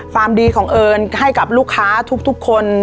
ความดีของเอิญให้กับลูกค้าทุกคน